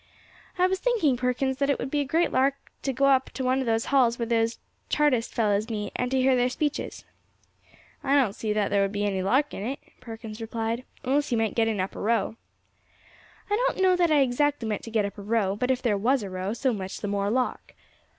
"I was thinking, Perkins, that it would be a great lark to go up to one of those halls where those Chartist fellows meet, and to hear their speeches." "I don't see that there would be any lark in it," Perkins replied, "unless you meant getting up a row." "I don't know that I exactly meant to get up a row; but if there was a row, so much the more lark."